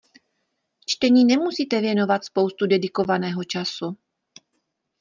Čtení nemusíte věnovat spoustu dedikovaného času.